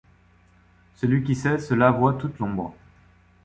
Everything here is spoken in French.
Celui qui sait cela voit toute l’ombre.